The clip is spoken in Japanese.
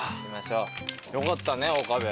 よかったね岡部。